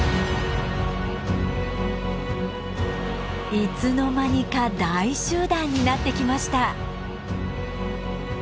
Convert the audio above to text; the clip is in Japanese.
いつの間にか大集団になってきました。